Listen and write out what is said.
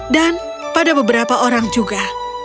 dan pada beberapa orang juga